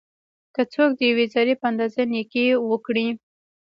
که څوک د یوې ذري په اندازه نيکي وکړي؛